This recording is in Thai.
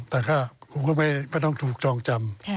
แต่ค่ะคูณผมก็ไม่ต้องถูกทรงจำ